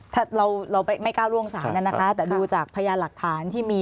ถ้าเราเราไม่ก้าวล่วงศาลเนี่ยนะคะแต่ดูจากพยานหลักฐานที่มี